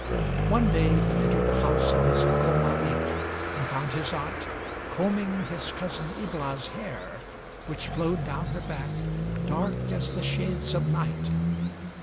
One day he entered the house of his uncle Malik and found his aunt combing his cousin Ibla's hair, which flowed down her back, dark as the shades of night.